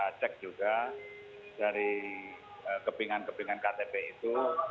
kita cek juga dari kepingan kepingan ktp itu